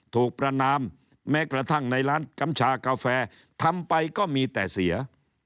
ประนามแม้กระทั่งในร้านกำชากาแฟทำไปก็มีแต่เสีย